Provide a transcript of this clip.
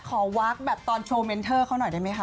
ขอวักแบบตอนโชว์เม้นเทอร์เขาน่ะได้ไหมครับ